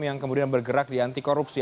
yang kemudian bergerak di anti korupsi